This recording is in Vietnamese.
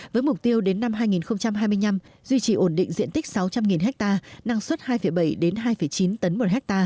với mục tiêu đến năm hai nghìn hai mươi năm duy trì ổn định diện tích sáu trăm linh ha năng suất hai bảy hai chín tấn một ha